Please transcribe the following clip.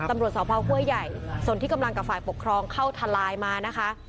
ตำรวจสพห้วยใหญ่ส่วนที่กำลังกับฝ่ายปกครองเข้าทลายมานะคะ